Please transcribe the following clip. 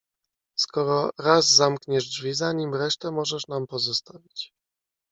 "Skoro raz zamkniesz drzwi za nim, resztę możesz nam pozostawić."